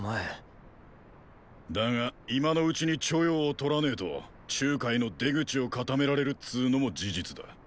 だが今のうちに著雍を取らねェと中華への出口をかためられるっつーのも事実だ。